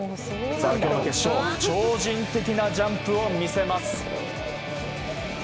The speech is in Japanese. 超人的なジャンプを見せます。